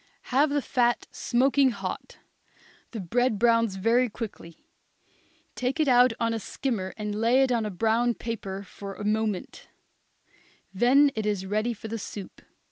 Have the fat smoking hot; the bread browns very quickly; take it out on a skimmer and lay it on a brown paper for a moment; then it is ready for the soup.